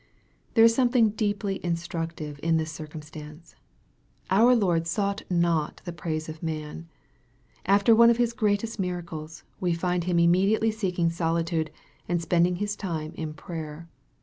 There is something deeply instructive in this circum stance. Our Lord sought not the praise of man. After one of His greatest miracles, we find Him immediately seeking solitude, and spending His time in prayer.